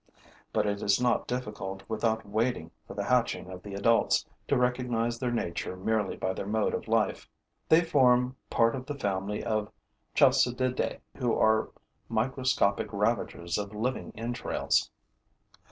But it is not difficult, without waiting for the hatching of the adults, to recognize their nature merely by their mode of life. They form part of the family of Chalcididae, who are microscopic ravagers of living entrails.